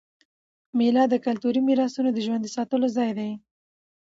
مېله د کلتوري میراثونو د ژوندي ساتلو ځای دئ.